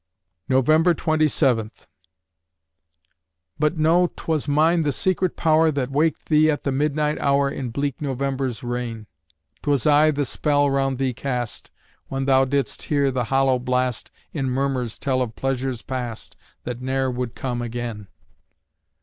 November Twenty Seventh But know, 'twas mine the secret power That waked thee at the midnight hour In bleak November's reign: 'Twas I the spell around thee cast, When thou didst hear the hollow blast In murmurs tell of pleasures past, That ne'er would come again.